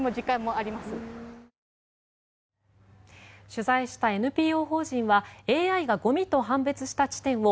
取材したＮＰＯ法人はＡＩがゴミと判別した地点を